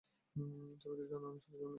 তুমি তো জানো, আমি সারাজীবন এটাই হতে চেয়েছি।